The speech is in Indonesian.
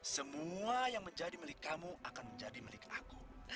semua yang menjadi milik kamu akan menjadi milik aku